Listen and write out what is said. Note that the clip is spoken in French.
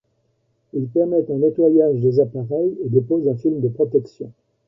Il permet un nettoyage des appareils et dépose un film de protection.